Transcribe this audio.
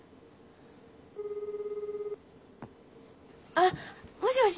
あっもしもし。